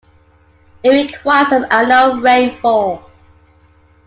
It requires of annual rainfall.